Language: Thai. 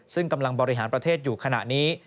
ซึ่งกำลังบริหารประเทศอยู่ขณะนี้